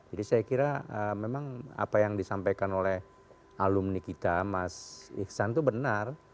jadi saya kira memang apa yang disampaikan oleh alumni kita mas iksan itu benar